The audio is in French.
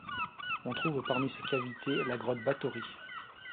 On trouve parmi ses cavités la grotte Bátori.